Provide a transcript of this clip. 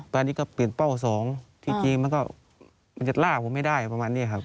ตอนนี้ก็เปลี่ยนเป้าสองที่จริงมันก็มันจะล่าผมไม่ได้ประมาณนี้ครับ